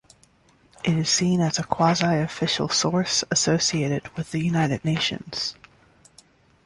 It is seen as a quasi-official source associated with the United Nations.